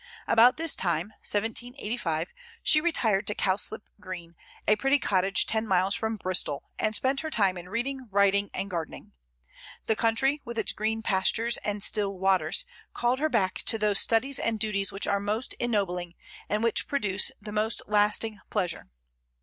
About this time (1785) she retired to Cowslip Green, a pretty cottage ten miles from Bristol, and spent her time in reading, writing, and gardening. The country, with its green pastures and still waters, called her back to those studies and duties which are most ennobling, and which produce the most lasting pleasure.